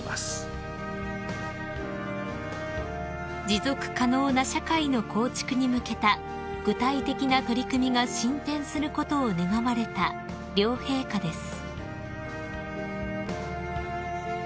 ［持続可能な社会の構築に向けた具体的な取り組みが進展することを願われた両陛下です］